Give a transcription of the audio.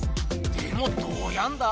でもどうやんだ？